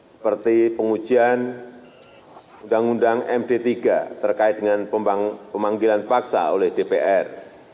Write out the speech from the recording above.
seperti pengujian undang undang md tiga terkait dengan pemanggilan paksa oleh dpr